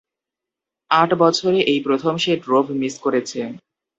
আট বছরে এই প্রথম সে ড্রোভ মিস করেছে।